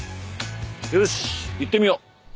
よし行ってみよう。